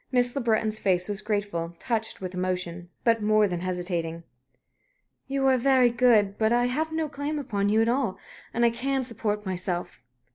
Miss Le Breton's face was grateful, touched with emotion, but more than hesitating. "You are very good. But I have no claim upon you at all. And I can support myself."